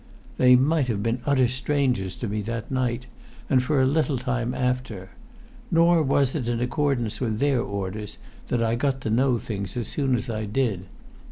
They might have been utter strangers to me that night, and for a little time after. Nor was it in accordance with their orders that I got to know things as soon as I did.